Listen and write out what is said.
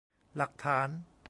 หลักฐาน !